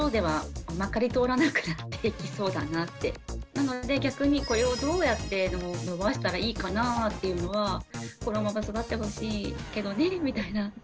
なので逆にこれをどうやって伸ばしたらいいかなぁっていうのはこのまま育ってほしいけどねみたいな。